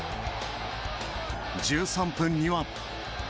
１３分には。